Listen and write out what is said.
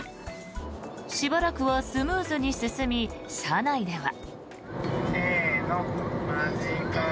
しばらくはスムーズに進み車内では。